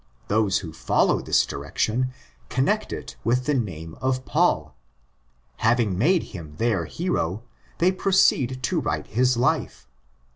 Those who follow this direction connect it with the name of Paul. Having made him their hero, they proceed to write his life.